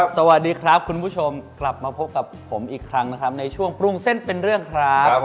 สวัสดีครับคุณผู้ชมกลับมาพบกับผมอีกครั้งนะครับในช่วงปรุงเส้นเป็นเรื่องครับ